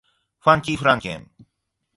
ファンキーフランケン